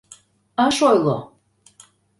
— Ыш ойло.